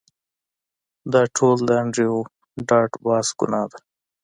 دا ټول د انډریو ډاټ باس ګناه ده